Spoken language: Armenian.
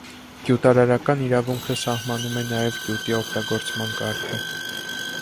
Գյուտարարական իրավունքը սահմանում է նաև գյուտի օգտագործման կարգը։